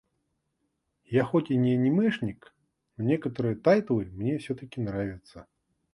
Я хоть и не анимешник, но некоторые тайтлы мне всё-таки нравятся.